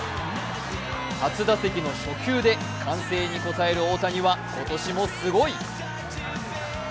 初打席の初球で歓声に応える大谷は今年もすごい。